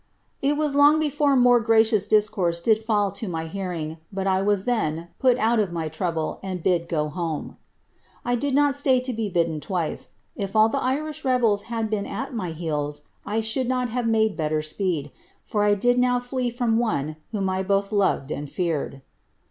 It was long before more gracious discourse did fall to my hearing, but I was then put out of my trouble, and bid ' go home.' I did not stay to be bidden twice. If all :he Irish rebels had been at my heels, I should not have made better ipeed, for I did now flee from one whom I both loved and feared."